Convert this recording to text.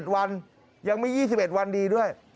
๗วันยังไม่๒๑วันดีด้วย